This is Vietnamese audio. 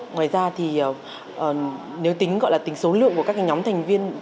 ngoài ra thì nếu tính gọi là tính số lượng của các nhóm thành viên